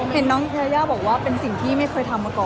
เห็นน้องยาย่าบอกว่าเป็นสิ่งที่ไม่เคยทำมาก่อน